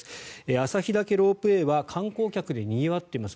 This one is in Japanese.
旭岳ロープウェイは観光客でにぎわっています。